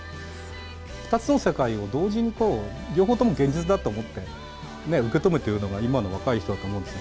２つの世界を同時に、両方とも現実だと思って受け止めているのが今の若い人だと思うんですね。